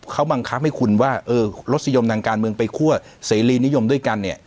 เขาบังคับให้คุณว่ารสนิยมทางการเมืองไปคั่วเสรีนิยมด้วยกันเนี่ย